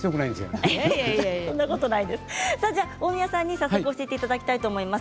大宮さんに早速、教えていただきたいと思います。